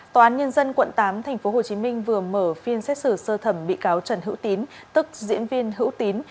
tòa án nhân dân quận tám tp hcm vừa mở phiên xét xử sơ thẩm bị cáo trần hữu tín tức diễn viên hữu tín